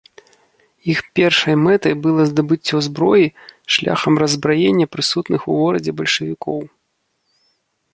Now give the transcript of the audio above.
Іх першай мэтай было здабыццё зброі шляхам раззбраення прысутных у горадзе бальшавікоў.